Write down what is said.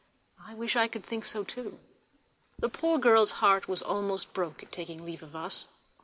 I wish I could think so too. The poor girl's heart was almost broke at taking leave of us.